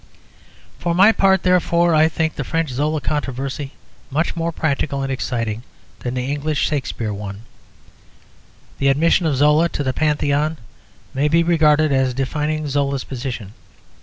For my part, therefore, I think the French Zola controversy much more practical and exciting than the English Shakspere one. The admission of Zola to the Pantheon may be regarded as defining Zola's position.